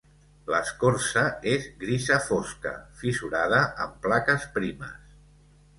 L'escorça és grisa fosca, fissurada en plaques primes.